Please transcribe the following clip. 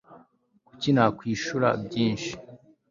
kuki nakwishura byinshi